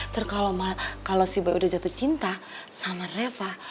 terus kalau si bayi udah jatuh cinta sama reva